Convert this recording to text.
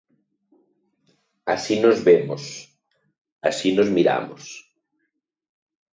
Así nos vemos, así nos miramos.